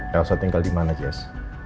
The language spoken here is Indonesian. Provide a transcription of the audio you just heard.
yaudah tinggal dimana jess